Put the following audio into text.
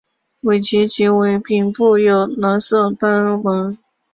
尾鳍及尾柄部有蓝色斑纹。